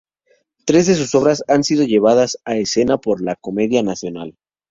Tres de sus obras han sido llevadas a escena por la Comedia Nacional.